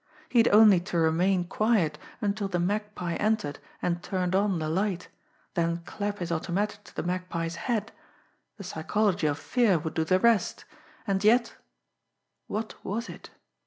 He had only to remain quiet until the Magpie entered and turned on the light, then clap his automatic to the Magpie's head the psychology of fear would do the rest. And yet what was it?